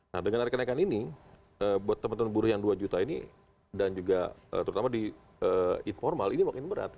nah dengan ada kenaikan ini buat teman teman buruh yang dua juta ini dan juga terutama di informal ini makin berat